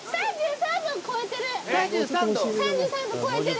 ３３度超えてる。